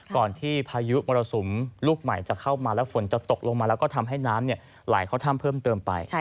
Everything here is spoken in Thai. ก่อนที่พายุมรสุมลูกใหม่จะเข้ามาแล้วฝนจะตกลงมาแล้วก็ทำให้น้ำไหลเข้าถ้ำเพิ่มเติมไป